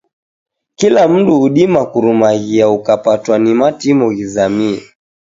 Kila mundu udima kurumaghia ukapatwa ni matimo ghizamie